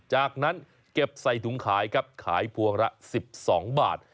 จากนั้นเก็บใส่ถุงขายครับขายพวงละ๑๒บาท